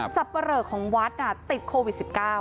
ับปะเหลอของวัดติดโควิด๑๙